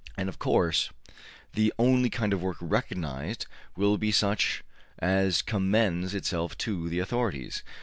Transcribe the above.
And, of course, the only kind of work recognized will be such as commends itself to the authorities.